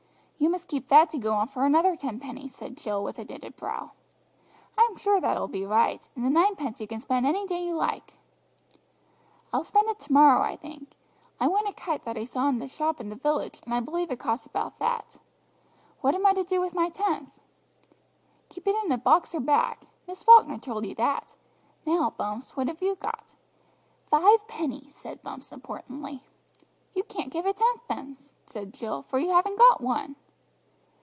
"You must keep that to go on for another ten pennies," said Jill with a knitted brow. "I'm sure that will be right, and the nine pence you can spend any day you like." "I'll spend it to morrow, I think. I want a kite that I saw in the shop in the village, and I believe it costs about that. What am I to do with my tenth?" "Keep it in a box or bag. Miss Falkner told you that. Now, Bumps, what have you got?" "Five pennies," said Bumps importantly. "You can't give a tenth then," said Jill, "for you haven't got one."